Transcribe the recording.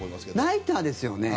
ナイターですよね。